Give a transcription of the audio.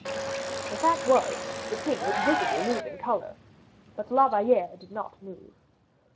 The fact was, the king was visibly losing color. But La Valliere did not move.